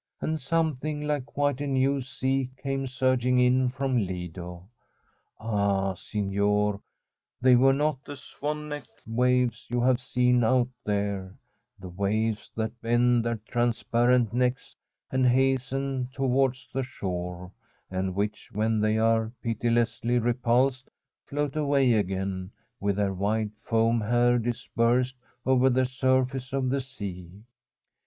And something like quite a new sea came surging in from Lido. Ah, signor! they were not the swan necked waves you have seen out there, the waves that bend their transparent necks and hasten towards the shore, and which, when they are pitilessly repulsed, float away again with their white foam hair dispersed over the surface of the sea.